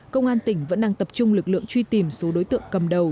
công an tỉnh vẫn đang tập trung lực lượng truy tìm số đối tượng cầm đầu